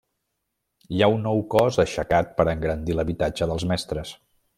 Hi ha un nou cos aixecat per engrandir l'habitatge dels mestres.